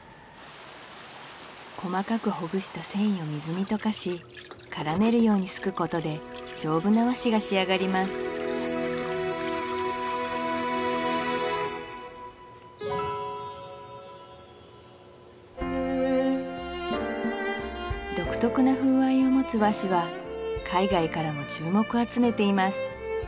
細かくほぐした繊維を水に溶かし絡めるようにすくことで丈夫な和紙が仕上がります独特な風合いを持つ和紙は海外からも注目を集めています